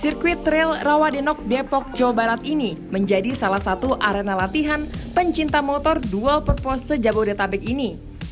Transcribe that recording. sirkuit trail rawadinok depok jawa barat ini menjadi salah satu arena latihan pencinta motor dual perpose jabodetabek ini